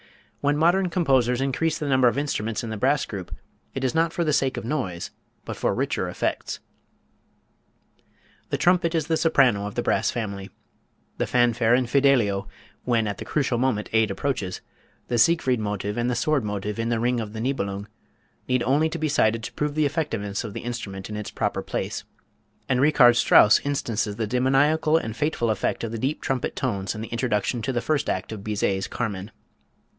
When modern composers increase the number of instruments in the brass group, it is not for the sake of noise, but for richer effects. The trumpet is the soprano of the brass family. The fanfare in "Fidelio" when at the critical moment aid approaches; the Siegfried Motive and the Sword Motive, in the "Ring of the Nibelung," need only be cited to prove the effectiveness of the instrument in its proper place; and Richard Strauss instances the demoniacal and fateful effect of the deep trumpet tones in the introduction to the first act of Bizet's "Carmen."